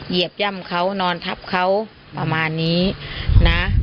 เหยีย่ำเขานอนทับเขาประมาณนี้นะ